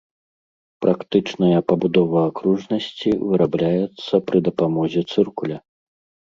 Практычная пабудова акружнасці вырабляецца пры дапамозе цыркуля.